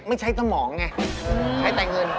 ไม่ใช้ตะหมองไง